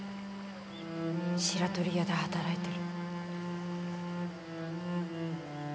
白鳥屋で働いてる。